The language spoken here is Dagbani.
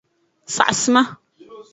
Saɣisima.